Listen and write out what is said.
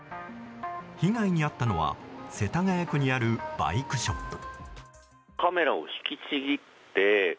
被害に遭ったのは世田谷区にあるバイクショップ。